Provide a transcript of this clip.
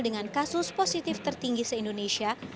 dengan kasus positif tertinggi se indonesia